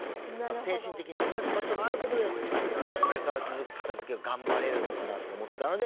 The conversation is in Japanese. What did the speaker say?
精神的に癒やす場所があることでこれから続く片づけを頑張れるのかなと思ったので。